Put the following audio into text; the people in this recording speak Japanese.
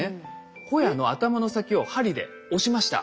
ホヤの頭の先を針で押しました。